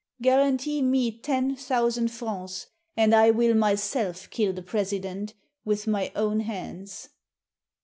Guarantee me ten thousand francs, and I will myself kill the President with my own hands."